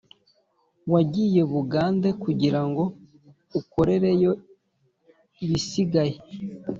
Wagiye Bugande kugirango akorereyo ibisigaye!